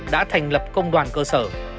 đã thành lập công đoàn cơ sở